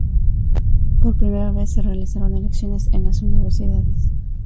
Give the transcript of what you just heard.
Por primera vez, se realizaron elecciones en las Universidades.